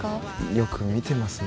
よく見てますね。